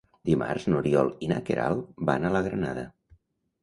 Dimarts n'Oriol i na Queralt van a la Granada.